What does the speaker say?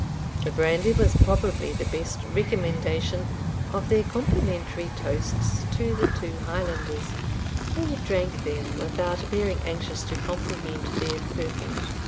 The brandy was probably the best recommendation of there complimentary toasts to the two Highlanders, who drank them without appearing anxious to comprehend their purport.